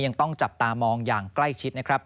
ยังต้องจับตามองอย่างใกล้ชิดนะครับ